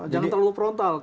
jangan terlalu prontos